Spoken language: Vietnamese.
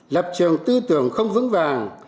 lập trường tư tưởng không vững vàng